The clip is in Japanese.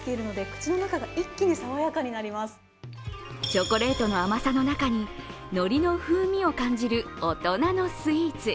チョコレートの甘さの中にのりの風味を感じる大人のスイーツ。